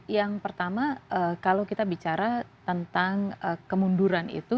yang pertama kalau kita bicara tentang kemunduran itu